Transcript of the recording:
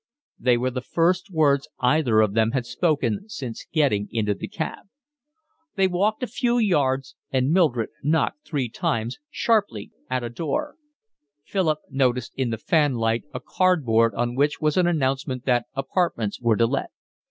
They were the first words either of them had spoken since getting into the cab. They walked a few yards and Mildred knocked three times, sharply, at a door. Philip noticed in the fanlight a cardboard on which was an announcement that apartments were to let.